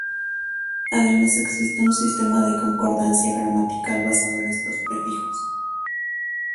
Además existe un sistema de concordancia gramatical basado en estos prefijos.